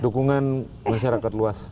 dukungan masyarakat luas